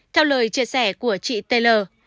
theo lời chia sẻ của chị taylor